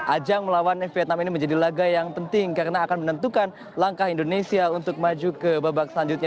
ajang melawan vietnam ini menjadi laga yang penting karena akan menentukan langkah indonesia untuk maju ke babak selanjutnya